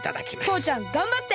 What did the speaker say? とうちゃんがんばって！